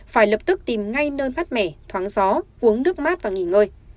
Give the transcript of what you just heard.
phải lập tức tìm ngay nơi mát mẻ thoáng gió uống nước mát và nghỉ ngơi